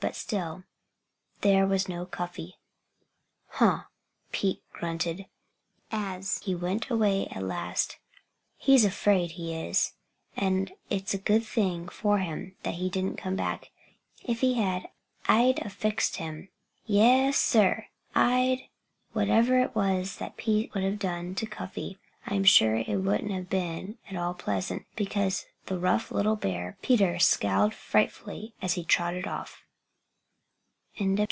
But still there was no Cuffy. "Huh!" Pete grunted, as he went away at last. "He's afraid, he is. And it's a good thing for him he didn't come back. If he had, I'd 'a' fixed him. Yes, sir! I'd " Whatever it was that Peter would have done to Cuffy, I am sure it wouldn't have been at all pleasant, because the rough little bear Peter scowled frightfully as he trotted off.